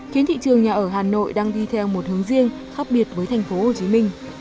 khiến thị trường nhà ở hà nội đang đi theo một hướng riêng khác biệt với tp hcm